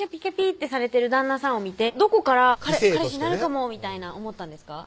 ッてされてる旦那さんを見てどこから彼氏になるかもみたいな思ったんですか？